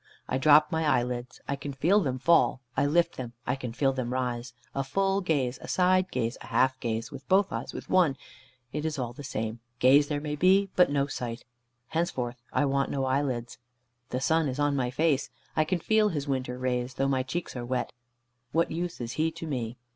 I drop my eyelids, I can feel them fall; I lift them, I can feel them rise; a full gaze, a side gaze, a half gaze; with both eyes, with one; it is all the same; gaze there may be, but no sight. Henceforth I want no eyelids. The sun is on my face. I can feel his winter rays, though my cheeks are wet. What use is he to me?